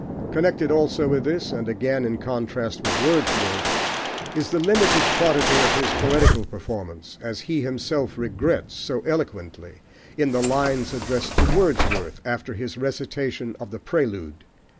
Connected also with this, and again in contrast with Wordsworth, is the limited quantity of his poetical performance, as he himself regrets so eloquently in the lines addressed to Wordsworth after his recitation of The Prelude.